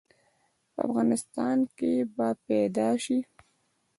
په افغانستان کې به پيدا ش؟